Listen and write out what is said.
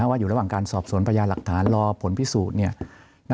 ว่าอยู่ระหว่างการสอบสวนพยานหลักฐานรอผลพิสูจน์